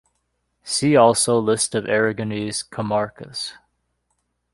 See also List of Aragonese comarcas.